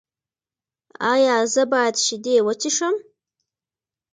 ایا زه باید شیدې وڅښم؟